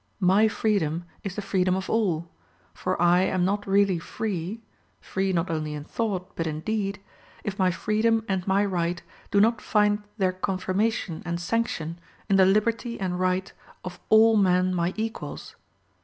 My freedom is the freedom of all; for I am not really free free not only in thought, but in deed if my freedom and my right do not find their confirmation and sanction in the liberty and right of all men my equals.